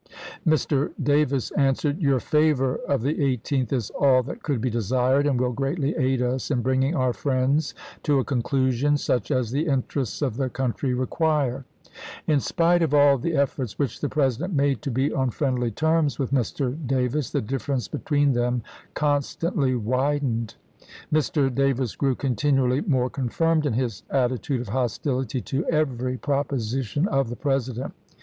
Mr. Davis answered :" Your favor of the 18th is all that could be desired, and will greatly aid us in bringing our friends to a conclusion such as the interests of the country require." In spite of all the efforts which the President made to be on friendly terms with Mr. Davis, the difference between them constantly widened. Mr. Davis grew continually more confirmed in his atti tude of hostility to every proposition of the Presi dent.